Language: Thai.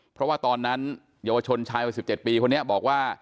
เพราะว่าตอนนั้นเยาวชนชายวัย๑๗ปีคนนี้บอกว่า